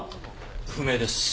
不明です。